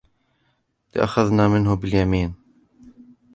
لأخذنا منه باليمين